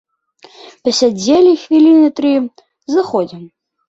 Пасядзелі хвіліны тры, заходзім.